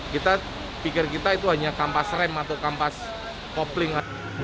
kita pikir kita itu hanya kampas rem atau kampas kopling